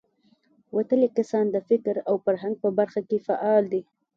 وتلي کسان د فکر او فرهنګ په برخه کې فعال دي.